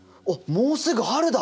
もうすぐ春だ！